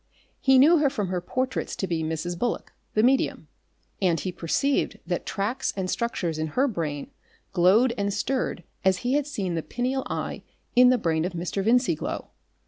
He knew her from her portraits to be Mrs. Bullock, the medium. And he perceived that tracts and structures in her brain glowed and stirred as he had seen the pineal eye in the brain of Mr. Vincey glow.